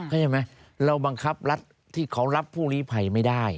เรามักบังครับรัฐที่ขอรับผู้รีภัยไม่ได้